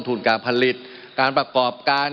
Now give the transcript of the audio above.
มันมีมาต่อเนื่องมีเหตุการณ์ที่ไม่เคยเกิดขึ้น